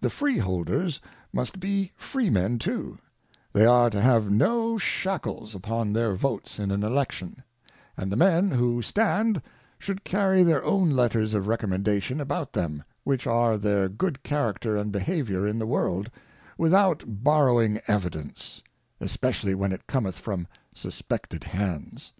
The Freeholders must be Freemen too ; they are to have no Shackles 144 Cautions for Choice of Shackles upon their Votes in an Election : and the Men who stand, should carry their own Letters of Recommendation about them, which are their good Character and Behaviour in the World, without borrowing Evidence, especially when it cometh from suspected hands.